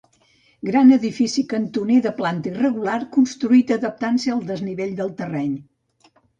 Gran edifici cantoner de planta irregular, construït adaptant-se al desnivell del terreny.